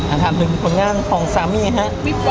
อันท่านเป็นคนง่ายของซามมี่ฮะ